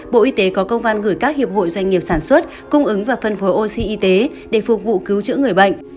bộ y tế có công văn gửi các hiệp hội doanh nghiệp sản xuất cung ứng và phân phối oxy y tế để phục vụ cứu chữa người bệnh